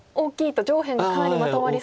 上辺がかなりまとまりそうと。